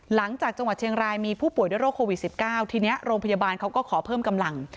หลังจากจังหวัดเชียงรายมีผู้ป่วยด้วยโรคโควิด๑๙ทีนี้โรงพยาบาลเขาก็ขอเพิ่มกำลัง